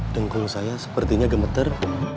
dengkul saya sepertinya gemeter